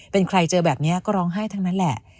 เป็นใครเจอแบบนี้ก็ร้องไห้ทั้งนั้นแหละ